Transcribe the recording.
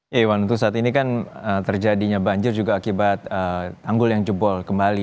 ya iwan untuk saat ini kan terjadinya banjir juga akibat tanggul yang jebol kembali